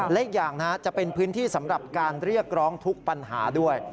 และอีกอย่างจะเป็นพื้นที่สำหรับการเรียกร้องทุกปัญหาด้วย